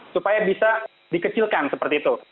supaya bisa dikecilkan seperti itu